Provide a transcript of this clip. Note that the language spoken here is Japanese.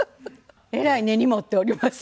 えらい根に持っております。